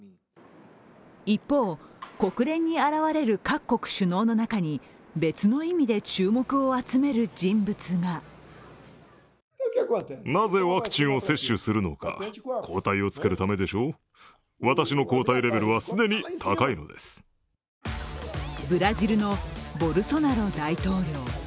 一方、国連に現れる各国首脳の中に別の意味で注目を集める人物がブラジルのボルソナロ大統領。